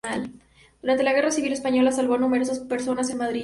Durante la Guerra Civil española salvó a numerosas personas en Madrid.